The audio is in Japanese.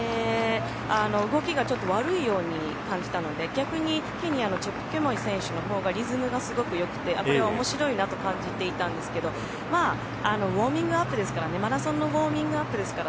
動きがちょっと悪いように感じたので、逆にケニアのチェプケモイ選手のほうがリズムがすごくよくてこれは面白いなと感じていたんですけどマラソンのウオーミングアップですからね